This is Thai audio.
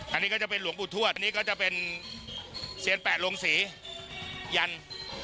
อันนี้ก็จะเป็นหลวงปู่ทวดอันนี้ก็จะเป็นเซียนแปดโรงศรียัน